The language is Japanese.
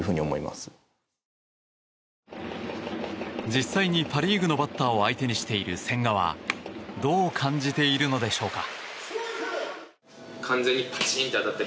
実際にパ・リーグのバッターを相手にしている千賀はどう感じているのでしょうか。